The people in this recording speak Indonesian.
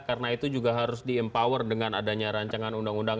karena itu juga harus di empower dengan adanya rancangan undang undang